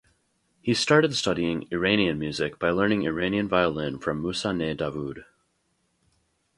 He started studying Iranian music by learning Iranian violin from Musa Ney Davood.